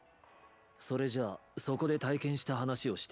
それじゃあそこで体験した話をしてやろう。